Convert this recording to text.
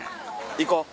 行こう。